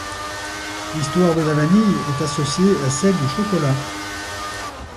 L'histoire de la vanille est associée à celle du chocolat.